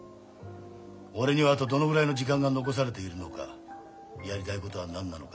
俺にはあとどのぐらいの時間が残されているのかやりたいことは何なのか。